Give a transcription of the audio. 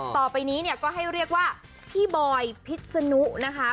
ต่อไปนี้เนี่ยก็ให้เรียกว่าพี่บอยพิษนุนะคะ